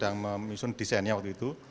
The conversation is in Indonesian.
dan kami sudah menunjukkan desainnya waktu itu